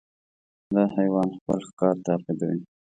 دا حیوان خپل ښکار تعقیبوي.